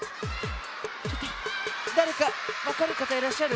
ちょっとだれかわかるかたいらっしゃる？